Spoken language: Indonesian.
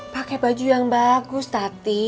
pakai baju yang bagus tapi